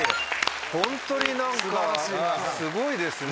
ホントに何かすごいですね。